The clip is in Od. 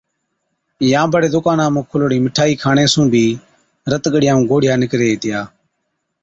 يان بڙي دُڪانا مُون کُلوڙِِ مٺائِي کاڻي سُون بِي رت ڳڙِيا ائُون گوڙهِيا نِڪري هِتِيا۔